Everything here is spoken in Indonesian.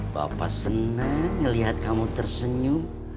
bapak senang melihat kamu tersenyum